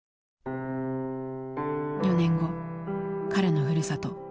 ４年後彼のふるさと